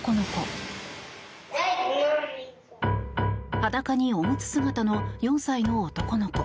裸におむつ姿の４歳の男の子。